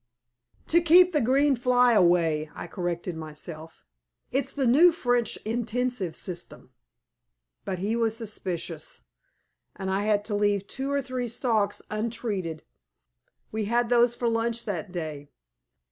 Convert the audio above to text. "To keep the green fly away," I corrected myself. "It's the new French intensive system." But he was suspicious, and I had to leave two or three stalks untreated. We had those for lunch that day.